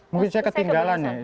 mungkin saya ketinggalan ya